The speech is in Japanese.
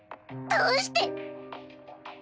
どうして。